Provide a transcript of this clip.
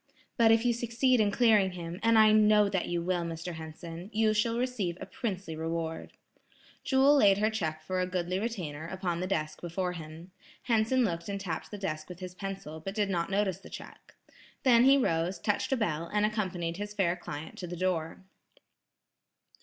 "But if you succeed in clearing him, and I know that you will, Mr. Henson, you shall receive a princely reward." Jewel laid her check for a goodly retainer, upon the desk before him. Henson looked and tapped the desk with his pencil, but did not notice the check. Then he rose, touched a bell, and accompanied his fair client to the door.